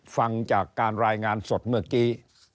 ฟังจากการรายงานสดเมื่อกี้